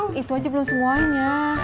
banyak aja belum semuanya